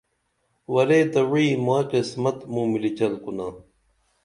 ورے تہ وعی مائی قسمت موں ملی چل کُنا